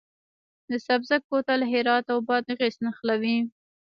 د سبزک کوتل هرات او بادغیس نښلوي